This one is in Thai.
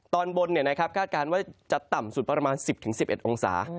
ตอนบนคาดการณ์ว่าจะต่ำสุดประมาณ๑๐๑๑องศา